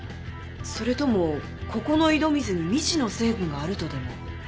それともここの井戸水に未知の成分があるとでも？